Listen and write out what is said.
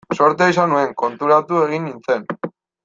Zortea izan nuen, konturatu egin nintzen.